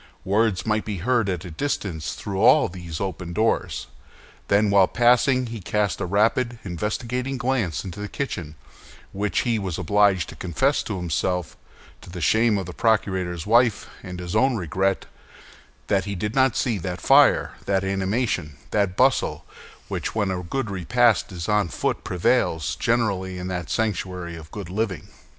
Words might be heard at a distance through all these open doors. Then, while passing, he had cast a rapid, investigating glance into the kitchen; and he was obliged to confess to himself, to the shame of the procurator's wife and his own regret, that he did not see that fire, that animation, that bustle, which when a good repast is on foot prevails generally in that sanctuary of good living.